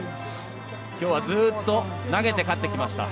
今日はずっと投げて勝ってきました。